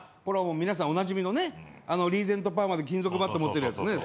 これは皆さんおなじみのねリーゼントパーマで金属バット持ってるやつ。